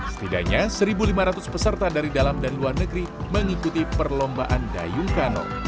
setidaknya satu lima ratus peserta dari dalam dan luar negeri mengikuti perlombaan dayung kano